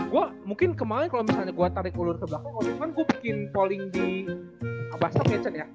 gue mungkin kemarin kalo misalnya gue tarik ulur ke belakang kalo bukan gue bikin polling di abastok ya cen ya